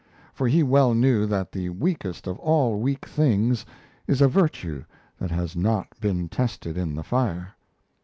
For he well knew that the weakest of all weak things is a virtue that has not been tested in the fire.